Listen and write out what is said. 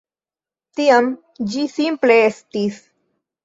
Tiam ĝi simple estis.